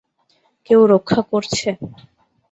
কেউ রক্ষা করছে?